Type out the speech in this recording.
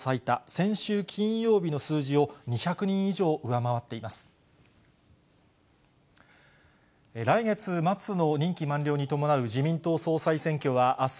先週金曜日の数字を、２００人以上上回っています。